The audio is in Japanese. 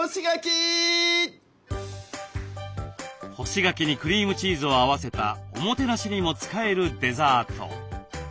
干し柿にクリームチーズを合わせたおもてなしにも使えるデザート。